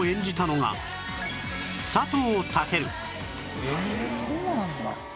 ええそうなんだ。